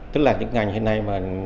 tức là những ngành hiện nay